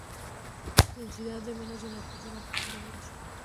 Densidad de menos de una persona por kilómetro cuadrado.